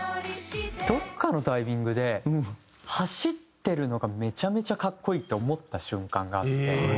どこかのタイミングで走ってるのがめちゃめちゃ格好いいって思った瞬間があって。